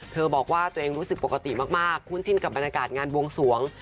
บอกว่าตัวเองรู้สึกปกติมากคุ้นชินกับบรรยากาศงานวงสวง